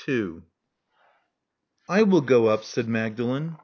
I will go up," said Magdalen.